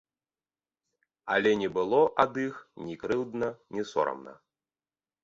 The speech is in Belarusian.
Але не было ад іх ні крыўдна, ні сорамна.